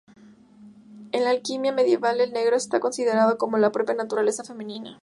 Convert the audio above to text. En la alquimia medieval el negro está considerado como la propia naturaleza femenina.